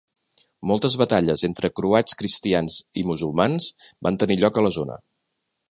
Moltes batalles entre croats cristians i musulmans van tenir lloc a la zona.